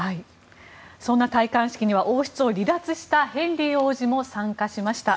そんな戴冠式には王室を離脱したヘンリー王子も参加しました。